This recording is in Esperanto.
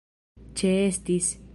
ĉeestis